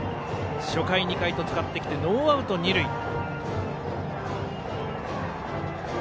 初回、２回と使ってきてノーアウト、二塁。